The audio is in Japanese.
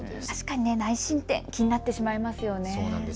確かに内申点、気になってしまいますよね。